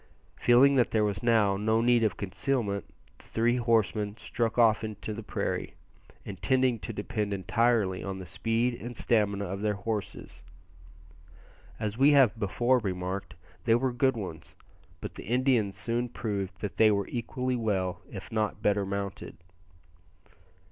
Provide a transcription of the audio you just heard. Feeling that there was now no need of concealment, the three horsemen struck off into the open prairie, intending to depend entirely on the speed and stamina of their horses. As we have before remarked, they were good ones; but the Indians soon proved that they were equally well if not better mounted.